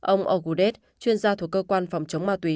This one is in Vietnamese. ông agudez chuyên gia thuộc cơ quan phòng chống ma túy